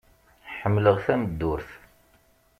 Ḥemmleɣ tameddurt.